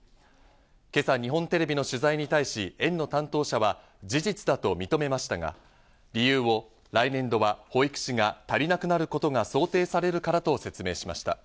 今朝、日本テレビの取材に対し、園の担当者は事実だと認めましたが理由を来年度は保育士が足りなくなることが想定されるからと説明しました。